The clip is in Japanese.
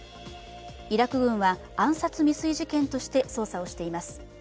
イラク軍は暗殺未遂事件として捜査をしています。